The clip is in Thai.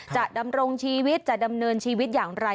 ดำรงชีวิตจะดำเนินชีวิตอย่างไร